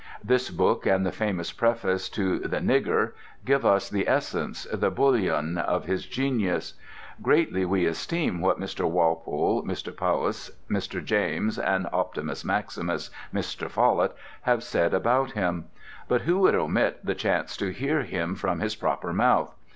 This book and the famous preface to the "Nigger" give us the essence, the bouillon, of his genius. Greatly we esteem what Mr. Walpole, Mr. Powys, Mr. James, and (optimus maximus) Mr. Follett, have said about him; but who would omit the chance to hear him from his proper mouth?